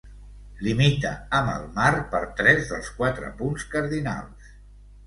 Limita amb el mar per tres dels quatre punts cardinals.